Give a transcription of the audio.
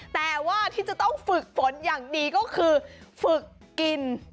แต่ว่าที่จะต้องฝึกฝนอย่างดีก็คือฝึกกิน